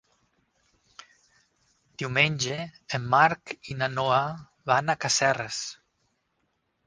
Diumenge en Marc i na Noa van a Casserres.